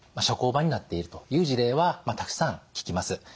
社交場になっているという事例はたくさん聞きます。